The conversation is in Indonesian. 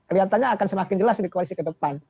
kelihatannya akan semakin jelas di koalisi ke depan